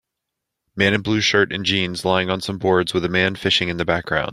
Man in blue shirt and jeans lying on some boards with a man fishing in the background.